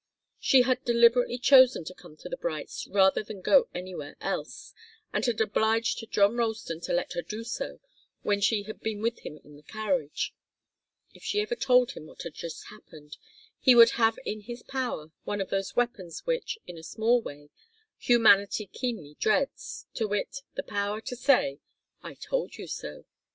She had deliberately chosen to come to the Brights' rather than to go anywhere else, and had obliged John Ralston to let her do so when she had been with him in the carriage. If she ever told him what had just happened he would have in his power one of those weapons which, in a small way, humanity keenly dreads, to wit, the power to say "I told you so."